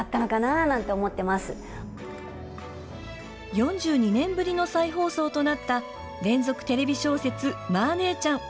４２年ぶりの再放送となった連続テレビ小説「マー姉ちゃん」。